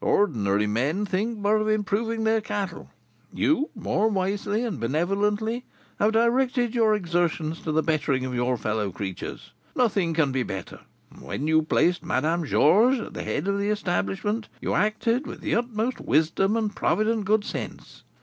Ordinary men think but of improving their cattle; you, more wisely and benevolently, have directed your exertions for the bettering your fellow creatures. Nothing can be better; and when you placed Madame Georges at the head of the establishment, you acted with the utmost wisdom and provident good sense.